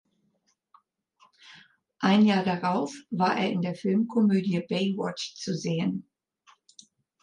Ein Jahr darauf war er in der Filmkomödie "Baywatch" zu sehen.